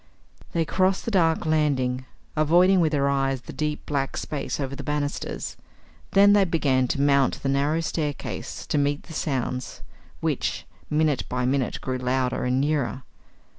They crossed the dark landing, avoiding with their eyes the deep black space over the banisters. Then they began to mount the narrow staircase to meet the sounds which, minute by minute, grew louder and nearer.